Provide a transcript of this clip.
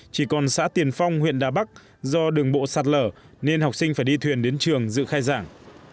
chỉ còn xã tiền phong huyện đà bắc do đường bộ sạt lở nên học sinh phải đi thuyền đến trường dự khai giảng